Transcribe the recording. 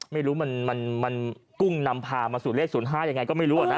ไม่รู้มันกุ้งนำพามาสู่เลข๐๕ยังไงก็ไม่รู้นะ